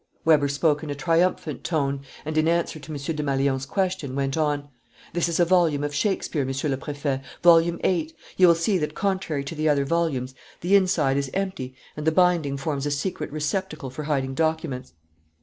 Weber spoke in a triumphant tone, and, in answer to M. Desmalions's question, went on: "This is a volume of Shakespeare, Monsieur le Préfet, Volume VIII. You will see that, contrary to the other volumes, the inside is empty and the binding forms a secret receptacle for hiding documents."